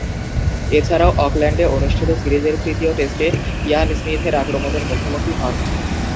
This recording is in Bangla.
এছাড়াও, অকল্যান্ডে অনুষ্ঠিত সিরিজের তৃতীয় টেস্টে ইয়ান স্মিথের আক্রমণের মুখোমুখি হন।